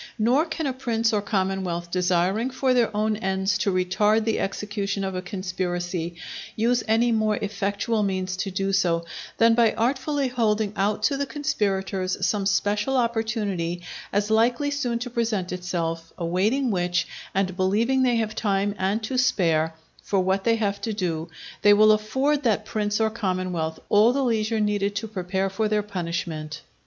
Nor can a prince or commonwealth desiring for their own ends to retard the execution of a conspiracy, use any more effectual means to do so, than by artfully holding out to the conspirators some special opportunity as likely soon to present itself; awaiting which, and believing they have time and to spare for what they have to do, they will afford that prince or commonwealth all the leisure needed to prepare for their punishment.